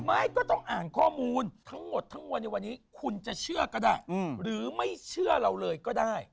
ไม่ต้องอ่านข้อมูลทั้งหมดทั้งมวลในวันนี้คุณจะเชื่อก็ได้หรือไม่เชื่อเราเลยก็ได้